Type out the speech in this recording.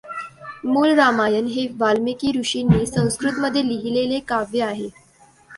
मूळ रामायण हे वाल्मीकी ऋषींनी संस्कृतमध्ये लिहिलेले काव्य आहे.